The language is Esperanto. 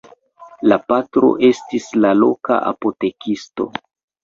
La patro estis la loka apotekisto.